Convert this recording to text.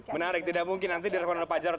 menarik tidak mungkin nanti direkonan pak jarod